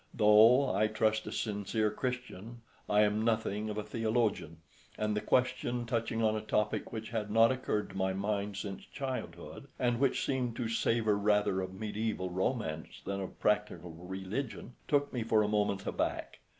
Though, I trust, a sincere Christian, I am nothing of a theologian, and the question touching on a topic which had not occurred to my mind since childhood, and which seemed to savour rather of medieval romance than of practical religion, took me for a moment aback.